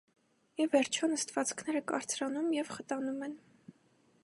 Ի վերջո, նստվածքները կարծրանում և խտանում են։